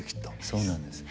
そうなんです。